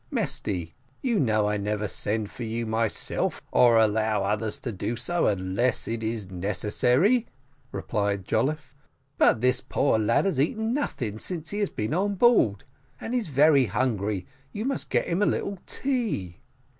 '" "Mesty, you know I never send for you myself, or allow others to do so, unless it is necessary," replied Jolliffe; "but this poor lad has eaten nothing since he has been on board, and is very hungry you must get him a little tea."